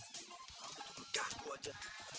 aku tuh bergantung aja